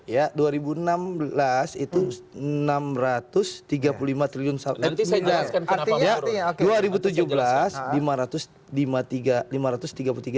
nanti saya jelaskan kenapa menurun